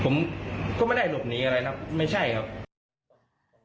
ผมก็ไม่ได้หลบหนีอะไรครับไม่ใช่ครับ